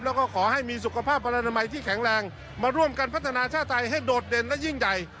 แล้วก็ขอให้มีสุขภาพพลนามัยที่แข็งแรงมาร่วมกันพัฒนาชาติไทยให้โดดเด่นและยิ่งใหญ่